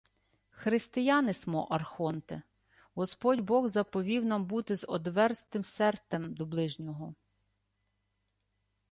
— Християни смо, архонте. Господь бог заповів нам бути з одверзтим серцем до ближнього.